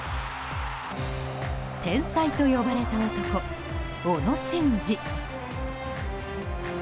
天才と呼ばれた男小野伸二。